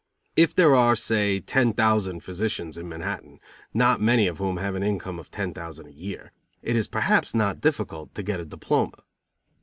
If there are, say, ten thousand physicians in Manhattan, not many of whom have an income of ten thousand a year, it is perhaps not difficult to get a diploma.